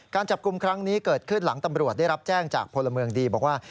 การจับกลุ่มครั้งนี้เกิดขึ้นหลังตำรวจได้รับแจ้งจากพลเมืองดีบอกว่า